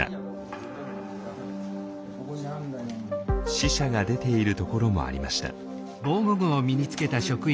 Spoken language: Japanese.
死者が出ているところもありました。